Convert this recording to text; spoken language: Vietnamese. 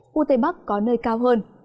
khu tây bắc có nơi cao hơn